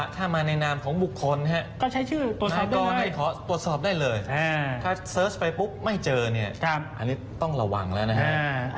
ถ้ามาในนามของบุคคลน่าก่อได้เขาถ่วงสอบได้เลยถ้าเชิญไปปุ๊บไม่เจอต้องระวังแล้วนะฮะ